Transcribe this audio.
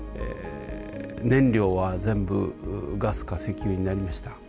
燃料は全部ガスか石油になりました。